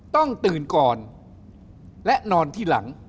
ต้องตื่นก่อนและนอนที่หลัง